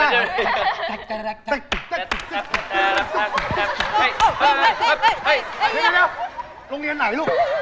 ดูกาจะเดียนด้มมาเยอะไหม